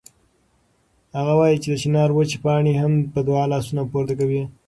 هغه وایي چې د چنار وچې پاڼې هم په دعا لاسونه پورته کوي.